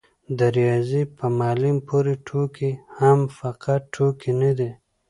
د رياضي په معلم پورې ټوکې هم فقط ټوکې نه دي.